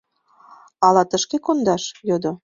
Ала тышке кондаш? — йодо.